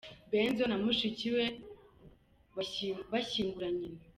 Benzo na mushiki we bashyingura nyina.